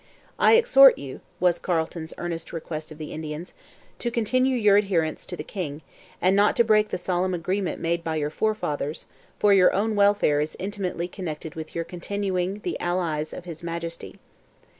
'I exhort you,' was Carleton's earnest request of the Indians, 'to continue your adherence to the King, and not to break the solemn agreement made by your forefathers, for your own welfare is intimately connected with your continuing the allies of his Majesty.'